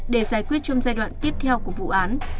để giải quyết trong giai đoạn tiếp theo của vụ án